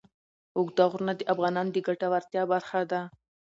اوږده غرونه د افغانانو د ګټورتیا برخه ده.